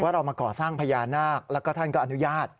เรามาก่อสร้างพญานาคแล้วก็ท่านก็อนุญาต